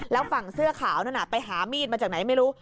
แล้วฝั่งเสื้อขาวนั่นไปหามีดมาจากไหนไม่รู้